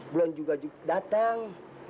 belum juga datang